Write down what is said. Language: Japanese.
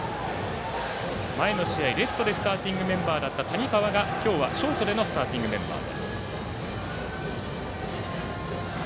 前の試合レフトでスターティングメンバーだった谷川が今日はショートでのスターティングメンバーです。